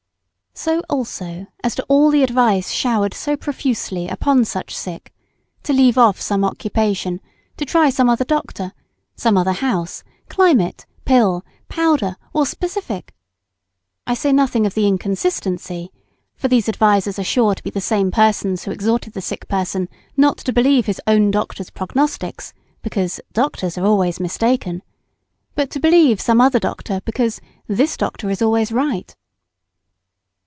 So also as to all the advice showered so profusely upon such sick, to leave off some occupation, to try some other doctor, some other house, climate, pill, powder, or specific; I say nothing of the inconsistency for these advisers are sure to be the same persons who exhorted the sick man not to believe his own doctor's prognostics, because "doctors are always mistaken," but to believe some other doctor, because "this doctor is always right."